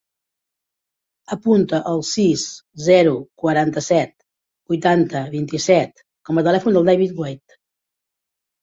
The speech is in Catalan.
Apunta el sis, zero, quaranta-set, vuitanta, vint-i-set com a telèfon del David White.